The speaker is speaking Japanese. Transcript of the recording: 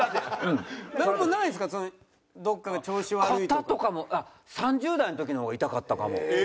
肩とかも３０代の時の方が痛かったかも。